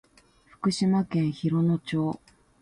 福島県広野町